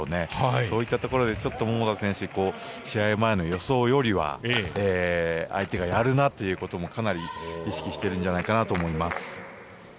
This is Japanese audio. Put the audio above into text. そういったところでちょっと桃田選手は試合前の予想よりは相手が、やるなということもかなり意識してるんじゃないかなと思います。